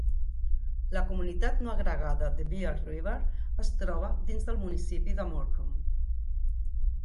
La comunitat no agregada de Bear River es troba dins del municipi de Morcom.